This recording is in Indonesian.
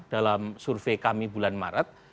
dalam survei kami bulan maret